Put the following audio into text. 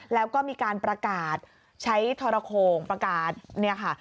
แล้วก็มีการประกาศใช้ทรโขงประกาศเนี่ยค่ะ